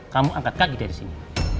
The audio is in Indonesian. kamu angkat kaki dari sini